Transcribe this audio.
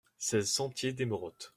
seize sentier des Morottes